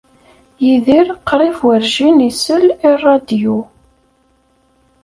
Yidir qrib werjin isell i ṛṛadyu.